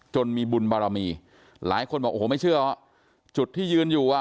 มีบุญบารมีหลายคนบอกโอ้โหไม่เชื่อจุดที่ยืนอยู่อ่ะ